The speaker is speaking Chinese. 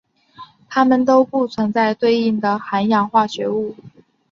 它们都不存在对应的含氧化合物。